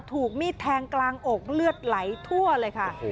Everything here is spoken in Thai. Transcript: ถูกมีดแทงกลางอกเลือดไหลทั่วเลยค่ะ